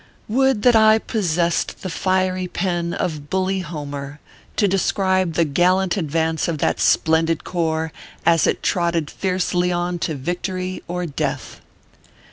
Would that I possessed the fiery pen of bully Homer, to describe the gallant advance of that splendid corps, as it trotted fiercely on to victory or death.